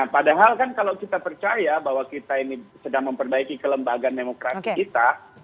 padahal kan kalau kita percaya bahwa kita ini sedang memperbaiki kelembagaan demokrasi kita